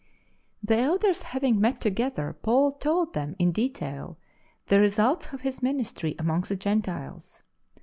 The Elders having met together, Paul told them in detail the results of his ministry among the Gentiles.